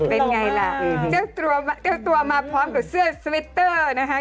เป็นไงล่ะเจ้าตัวเจ้าตัวมาพร้อมกับเสื้อสวิตเตอร์นะคะ